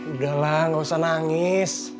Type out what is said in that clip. udahlah nggak usah nangis